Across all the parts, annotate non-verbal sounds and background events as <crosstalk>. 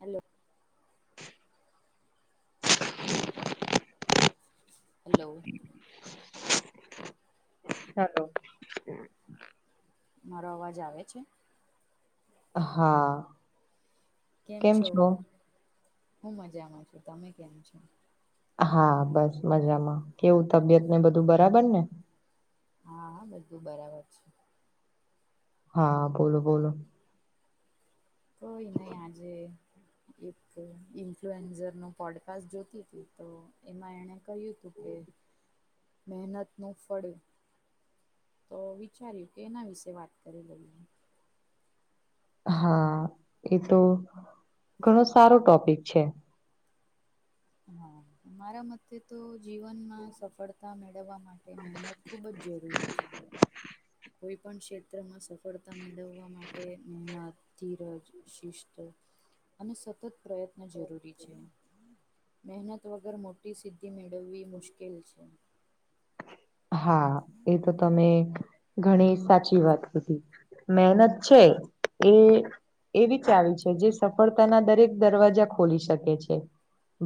Hello hello hello મારો અવાજ આવે છે? હા કેમ છો? હું મજામાં છું. તમે કેમ છો? હા બસ મજામાં. કેવું તબિયત ને બધું બરાબર ને? હા હા બધું બરાબર છે. હા બોલો બોલો. કોઈ નહી આજે એક ઇન્ફ્લુએન્ઝર નું પોડકાસ્ટ જોતી હતી તો એમાં એણે કહયું તું કે મહેનત નું ફળ, તો વિચાર્યું કે એના વિશે વાત કરી લઈએ. હા એ તો ઘણો સારો ટોપિક છે. મારા મતે તો જીવનમાં સફળ તા મેળવવા માટે મહેનત ખૂબ જ જરૂરી છે. કોઈપણ ક્ષેત્રમાં સફળતા મેળવવા માટે <unintelligible> ધીરજ, શિસ્ત અને સતત પ્રયત્ન જરૂરી છે. મહેનત વગર મોટી સિદ્ધિ મેળવવી મુશ્કેલ છે. હા એ તો તમે ઘણી સાચી વાત કીધી. મહેનત છે એ એવી ચાવી છે જે સફળતાના દરેક દરવાજા ખોલી શકે છે.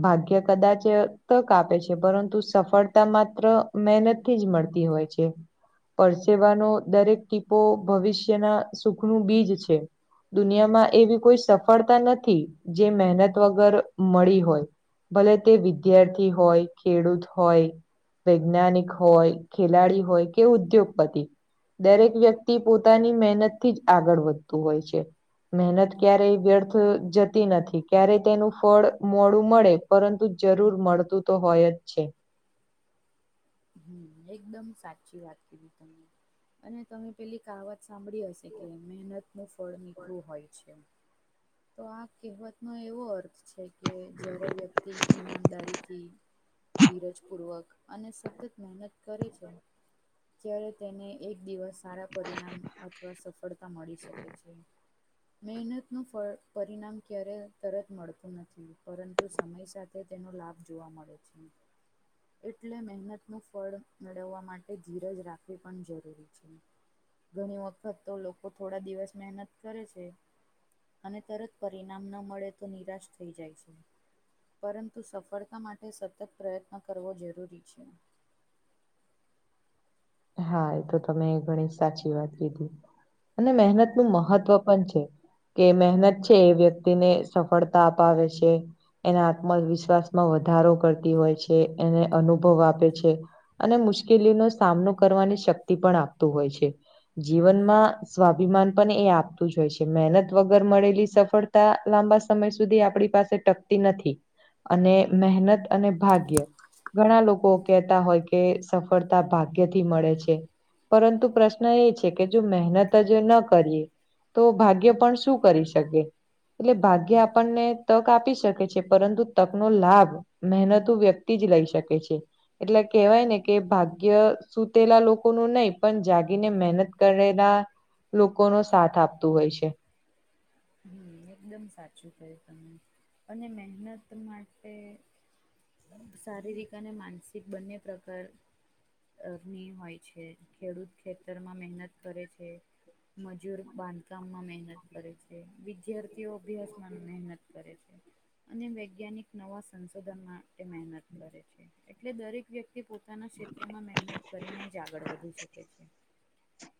ભાગ્ય કદાચ તક આપે છે પરંતુ સફળતા માત્ર મહેનત થી જ મળતી હોય છે. પરસેવાનો દરેક ટીપો ભવિષ્યના સુખનું બીજ છે. દુનિયામાં એવી કોઈ સફળતા નથી જે મહેનત વગર મળી હોય. ભલે તે વિદ્યાર્થી હોય ખેડૂત હોય વૈજ્ઞાનિક હોય ખેલાડી હોય કે ઉદ્યોગપતિ દરેક વ્યક્તિ પોતાની મહેનતથી જ આગળ વધતું હોય છે. મહેનત ક્યારેય વ્યર્થ જતી નથી ક્યારેય તેનું ફળ મોડું મળે પરંતુ જરૂર મળતું તો હોય જ છે. હમ્મ, એકદમ સાચી વાત કીદી તમે અને તમે પેલી કહાવત સાંભળી હશે કે મહેનત નું ફળ મીઠુ હોય છે. તો આ કહેવત નો એવો અર્થ છે કે જયારે વ્યક્તિ ઈમાનદારીથી ધીરજ પૂર્વક અને સતત મહેનત કરે છે. ત્યારે તેને એક દિવસ સારા પરિણામ અથવા સફળતા મળી શકે છે મહેનતનું ફળ પરિણામ ક્યારેય તરત મળતું નથી પરંતુ સમય સાથે તેનો લાભ જોવા મળે. જી એટલે મહેનત નો ફળ મેળવવા માટે ધીરજ રાખવી પણ જરૂરી છે. ઘણી વખત તો લોકો થોડા દિવસ મહેનત કરે છે અને તરત પરિણામન મળે તો નિરાશ થઈ જાય છે. પરંતુ સફળતા માટે સતત પ્રયત્ન કરવો જરૂરી છે. હા એ તો તમે ઘણી સાચી વાત કીધી અને મહેનત નું હમ્મ, મહત્વ પણ છે કે મહેનત છે એ વ્યક્તિને સફળતા અપાવે છે. એના આત્મવિશ્વાસમાં વધારો કરતી હોય છે એને અનુભવ આપે છે. અને મુશ્કેલીનો સામનો કરવાની શક્તિ પણ આપત હોય છે. જીવનમાં સ્વાભિમાન પણ એ આપતું જ હોય છે મહેનત વગર મળેલી સફળ તા લાંબા સમય સુધી આપણી પાસે ટકતી નથી. અને મહેનત અને ભાગ્ય ઘણા લોકો કેહેતા હોય કે સફળતા ભાગ્યથી મળે છે. પરંતુ પ્રશ્ન એ છે કે જો મહેનત જ ન કરીએ તો ભાગ્ય પણ શું કરી શકે એટલે ભાગ્ય આપણને તક આપી શકે છે પરંતુ તક નો લાભ મહેનતું વ્યક્તિ જ લઈ શકે છે એટલે કેહેવાય ને કે ભાગ્ય સુતેલા લોકો નું નહી પણ જાગીને મહેનત કરેલા લોકો નો સાથ આપતું હોય છે. હમ્મ, એકદમ સાચું ક્યું તમે અને મહેનત માટે શારીરિક અને માનસિક બંને પ્રકાર અગ્નિ હોય છે ખેડૂત ખેતરમાં મહેનત કરે છે મજૂર બાંધકામમાં મહેનત કરે છે વિદ્યાર્થીઓ અભ્યાસમાં ન મહેનત કરે છે. અને વૈજ્ઞાનિક નવા સંશોધન માટે મહેનત કરે છે એટલે દરેક વ્યક તી પોતાના ક્ષેત્રમાં મહેનત કરીને જ આગળ વધી શકે છે.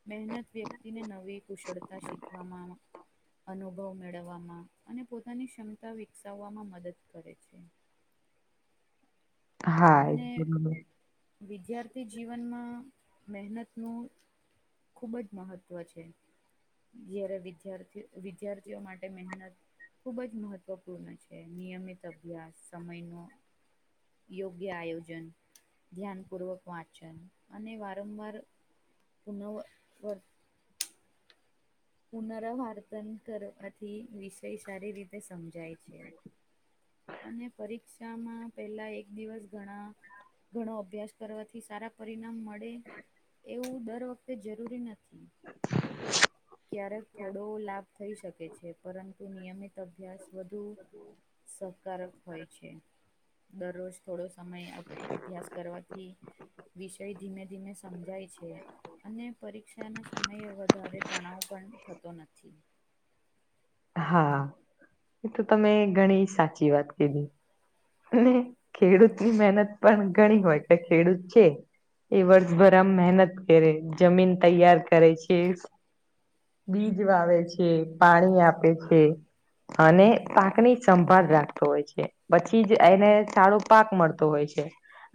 મહેનત વ્યક્તિને નવી કુશળતા શીખવામાં આવે અનુભવ મેળવવામાં અને પોતાની ક્ષમતા વિકસાવવામાં મદદ કરે છે. હા એ અને તો- વિદ્યાર્થી જીવનમાં મહેનતનું ખુબ જ મહત્ત્વ છે. જ્યારે વિદ્યાર્થી વિદ્યાર્થીઓ માટે મહેનત ખૂબ જ મહત્ત્વપૂર્ણ છે નિયમિત અભ્યાસ સમયનો યોગ્ય આયોજન, ધ્યાનપૂર્વક વાંચન અને વારંવાર <unintelligible> પુનરાવર્તન કરવાથી વિષય સારી રીતે સમજાય છે. અને પરીક્ષામાં પહેલા એક દિવસ ઘણા ઘણો અભ્યાસ કરવાથી સારા પરિણામ મળે એવું દર વખતે જરૂરી નથી. ક્યારેક થોડો લાભ થઈ શકે છે પરંતુ નિયમિત અભ્યાસ વધુ <unintelligible> <unintelligible> હોય છે દરરોજ થોડો સમય અભ્યાસ કરવાથી વિષય ધિમે ધિમે સમજાય છે. અને પરીક્ષાના સમયે વધારે તણાવ પણ થતો નથી. હા એ તો તમે ઘણી સાચી વાત કીધી, ખેડૂતની મહેનત પણ ઘણી હોય કે ખેડૂત છે. <unintelligible> એ વર્ષભર આમ મહેનત કરે, જમીન તૈયાર કરે છે, બીજ વાવે છે, પાણી આપે છે, અને પાકની સંભાળ રાખતો હોય છે. પછી જ એને સારો પાક મળતો હોય છે.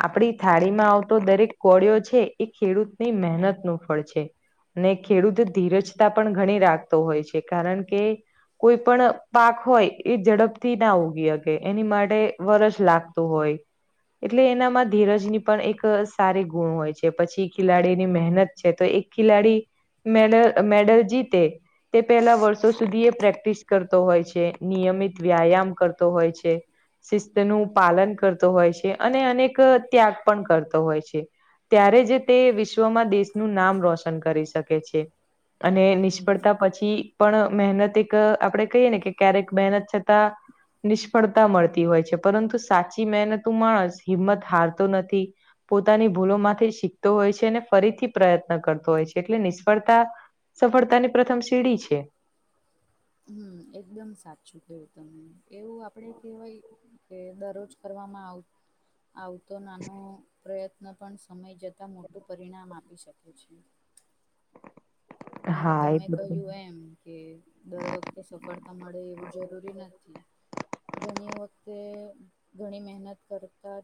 આપડી થાળીમાં આવતો દરેક કોળિયો છે એ ખેડૂતની મહેનતનું ફળ છે. અને ખેડૂત ધીરજતા પણ ઘણી રાખતો હોય છે કારણ કે કોઈ પણ પાક હોય એ ઝડપથી ના ઉગી શકે એની માટે વરષ લાગતું હોય, એટલે એનામાં ધીરજની પણ એક સારી હોય છે પછી ખિલાડીની મહેનત છે તો એક ખિલાડી મેડ મેડલ જીતે તે પેલા વર્ષો સુધી એ પ્રેક્ટિસ કરતો હોય છે, નિયમિત વ્યાયામ કરતો હોય છે, શિસ્તનું પાલન કરતો હોય છે અને અનેક ત્યાગ પણ કરતો હોય છે. ત્યારે જ તે વિશ્વમાં દેશનું નામ રોશન કરી શકે છે. અને નિષ્ફળતા પછી પણ મહેનત એક આપડે કહીએ ને કે ક્યારેક મહેનત છતાં નિષ્ફળતા મળતી હોય છે પરંતુ સાચી મહેનતું માણસ હિંમત હારતો નથી. પોતાની ભૂલોમાંથી શીખતો હોય છે અને ફરીથી પ્રયત્ન કરતો હોય છે એટલે નિષ્ફળતા સફળતાની પ્રથમ સીડી છે. હમ એકદમ સાચું કયું તમે એવું આપડે કેહેવાય કે દરરોજ ફરવામાં આવતો નાનો પ્રયત્ન પણ સમય જતાં મોટું પરિણામ આપી શકે છે. અને હા એ તમે તો છે. કહ્યું એમ કે દર વખતે સફળતા મળે એવું જરૂરી નથી ઘણી વખતે ઘણી મહેનત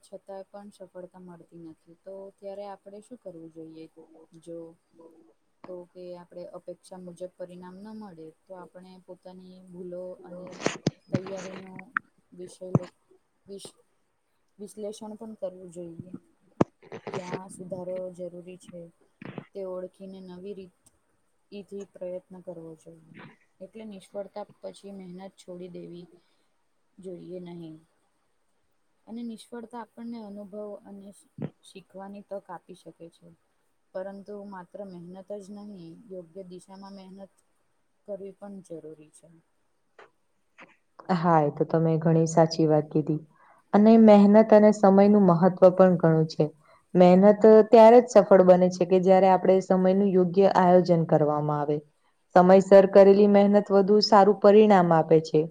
કરતા પણ સફળતા મળતી નથી તો ત્યારે આપણે શું કરવું જોઈએ જો તો કે આ આપણે અપેક્ષા મુજબ પરિણામ ના મળે તો આપણે પોતાની ભૂલો અને તૈયારીનો વિષય લે વિસ વિશ્લેષણ પણ કરવું જોઈએ. ક્યાં સુધારો જરૂરી છે તે ઓળખીને નવી રીત. એથી પ્રયત્ન કરવો જોઈએ. એટલે નિષ્ફળતા પછી મહેનત છોડી દેવી. જોઈએ નહી અને નિષ્ફળતા આપણને અનુભવ અને. શીખવાની તક આપી શકે છે. પરંતુ માત્ર મહેનત જ નહી. યોગ્ય દિશામાં મહેનત કરવી પણ જરૂરી છે. હા એ તો તમે ઘણી સાચી વાત કીધી. અને મહેનત અને સમયનું મહત્વ પણ ઘણું છે. મહેનત ત્યારે જ સફળ બને છે કે જયારે આપણે સમયનું યોગ્ય આયોજન કરવામાં આવે. સમયસર કરેલી મહેનત વધુ સારૂ પરિણામ આપે છે.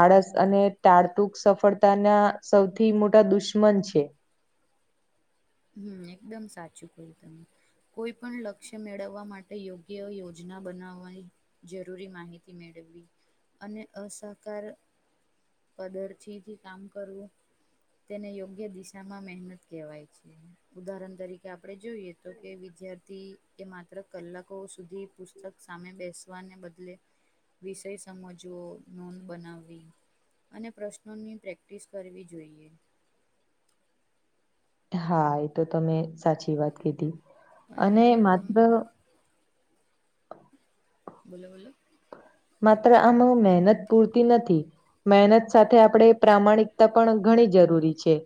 આળસ અને તારતુક સફળતાના સૌથી મોટા દુશ્મન છે. હુ એકદમ સાચું કહયુ તમે કોઈ પણ લક્ષ્ય મેળવવા માટ ટે યોગ્ય યોજના બનાવવાય. જરૂરી માહિતી મેળવી અને અસહકાર. કદરથી જ કામ કરવું તેને યોગ્ય દિશામાં મહેનત કહેવાય છે. ઉદાહરણ તરીકે આપણે જોઈએ તો કે વિદ્યાર્થી એ માત્ર કલાકો સુધી પુસ્તક સામે બેસવાને બદલે, વિષય સમજવો નોંધ બનાવવી. અને પ્રશ્નોની પ્રેક્ટિસ કરવી જોઈએ. હા એ તો તમે સાચી વાત કીધી, અને માત્ર. બોલો બોલો. માત્ર આમાં મહેનત પૂરતી નથી. મહેનત સાથે આપણે પ્રામાણિકતા પણ ઘણી જરૂરી છે.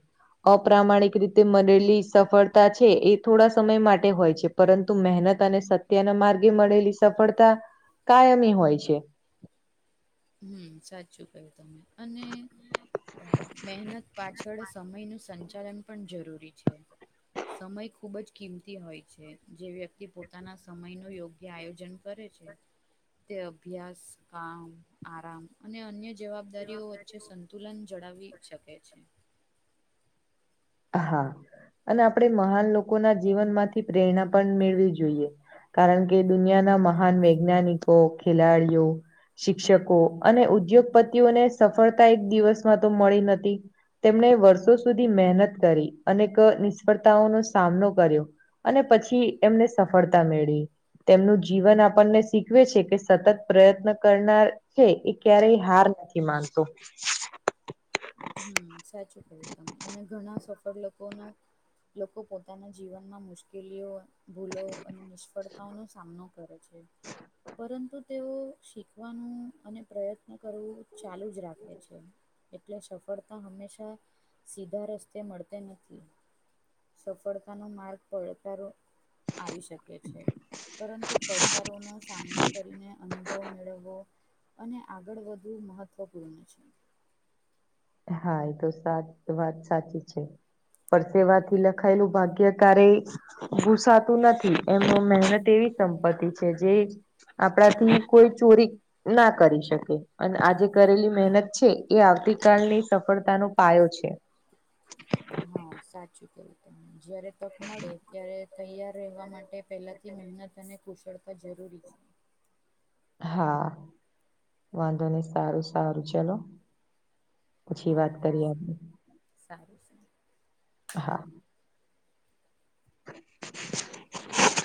અપમાણીક રીતે મળનેલી સફળતાછે એ થોડા સમય માટે હોય છે. પરંતુ મહેનત અને સત્યના માર્ગે મળેલી સફળતા કાયમી હોય છે. <inaudible> હ સાચું કહ્યું તમે અને, મહેનત પાછળ સમયનું સંચાલન પણ જરૂરી છે. સમય ખૂબ જ કિંમતી હોય છે જે વ્યક્તિ પોતાના સમય નુ યોગ્ય આયોજન. કરે છે તે અભ્યાસ, કામ, આરામ અને અન્ય જવાબદારીઓ વચ્ચે સંતુલન જળાવી શકે છે. હા અને આપણે મહાન લોકો ના જીવનમાંથી પ્રેરણા પણ મેળવી જોઈએ. કારણ કે દુનિયાના મહાન વૈજ્ઞાનિકો, ખેલાડીઓ, શિક્ષકો અને ઉદ્યોગપતિઓને સફળતા એક દિવસમાં તો મળી નથી. તેમણે વર્ષો સુધી મહેનત કરી અનેક નિષ્ફળતાઓનો સામનો કર્યો. અને પછી એમને સફળતા મેળી. તેમનું જીવન આપણને શીખવે છે કે સતત પ્રયત્ન કરનાર, હે એ ક્યારેય હાર નથી માનતો્ હુ સાચું કર્યું તમે અને ઘણા સફળ લોકોનો, લોકો પોતાના જીવનમાં મુશ્કેલીઓ, ભૂલો અને નિષ્ફળતાઓનો સામનો કરે છે પરંતુ, તેઓ શીખવાનું અને પ્રયત્ન કરવું ચાલુ જ રાખે છે. એટલે સફળતા હંમેશાં સીધા રસ્તે મળતી નથી. સફળતાનો માર્ગ પડકારો આવી શકે છે. પરંતુ પડકારોનો સામનો કરીને અનુભવ મેળવવો. અને આગળ વધવું મહત્વપૂર્ણ છે હા એ તો સાચ વાત સાચી છે પરસેેવાથી લખ ખાયલું ભાગ્ય કારે ભૂસાતું નથી એમનો મહેનત એવી સંપત્તિ છે જે આપડાથી કોઈ ચોરી ના કરી શકે અને આજે કરેલી મહેનત છે એ આવતી કાલની સફળતાનો પાયો છે હા સાચું કેવું તમે જયારે તક મળે ત્યારે તૈયાર રહેવા માટે પહેલાંથી મહેનત અને કુશળતા જરૂરી છે. હા વાંધો નહી સારું સારું ચલો પછી હા વાત હા કરીએ આપણે સારું <unintelligible> હા <inaudible>